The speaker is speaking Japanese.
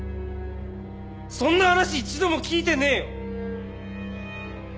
そんな話一度も聞いてねえよ！